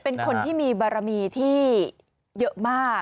เป็นคนที่มีบารมีที่เยอะมาก